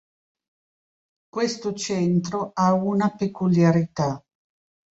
Questo centro ha una peculiarità.